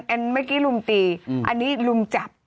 เมื่อกี้ลุมตีอันนี้ลุมจับ